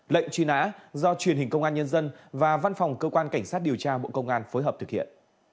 lệnh truy nã do truyền hình công an nhân dân và văn phòng cơ quan cảnh sát điều tra bộ công an phối hợp thực hiện